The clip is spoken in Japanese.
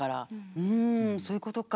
うんそういうことか。